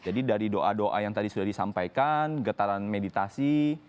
jadi dari doa doa yang tadi sudah disampaikan getaran meditasi